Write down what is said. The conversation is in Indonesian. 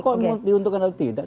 kok diuntungkan atau tidak